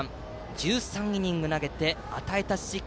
１３イニング投げて与えた四死球